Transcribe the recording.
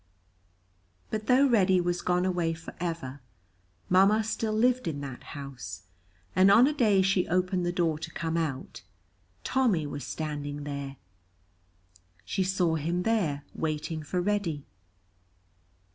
But though Reddy was gone away forever, mamma still lived in that house, and on a day she opened the door to come out, Tommy was standing there she saw him there waiting for Reddy.